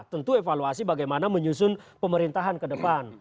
tentu evaluasi bagaimana menyusun pemerintahan ke depan